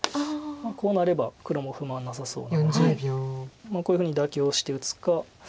こうなれば黒も不満なさそうなのでこういうふうに妥協して打つか。